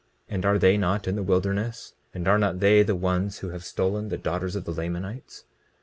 And are they not in the wilderness? And are not they the ones who have stolen the daughters of the Lamanites?